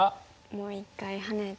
もう一回ハネて。